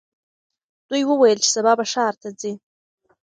دوی وویل چې سبا به ښار ته ځي.